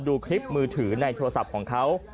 ดูคลิปมือถือในโทรศัพท์ของเขา